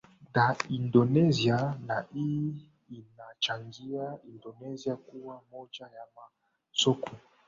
da indonesia na hii inachangia indonesia kuwa moja ya masoko